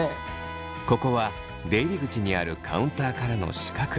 ここは出入り口にあるカウンターからの死角。